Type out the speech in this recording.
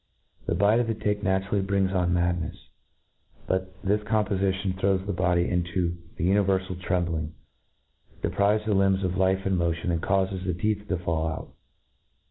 The bite of the tick naturally brings on madnefs ; but this compofition throws the body into an i^niverfal trembling, deprives the limbs of life and motion, and caufes the teeth to fall put.